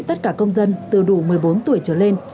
tất cả công dân từ đủ một mươi bốn tuổi trở lên